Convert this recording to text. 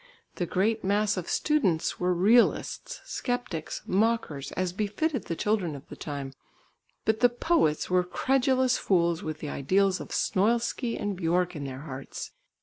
The great mass of students were realists, sceptics, mockers, as befitted the children of the time, but the poets were credulous fools with the ideals of Snoilsky and Björck in their hearts.